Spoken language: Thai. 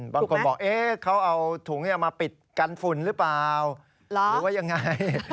บางคนบอกเขาเอาถุงมาปิดกันฝุ่นหรือเปล่าหรือว่ายังไง